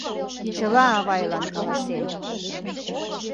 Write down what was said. Чыла авайлан каласем!